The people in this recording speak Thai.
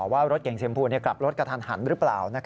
ว่ารถเก่งชมพูกลับรถกระทันหันหรือเปล่า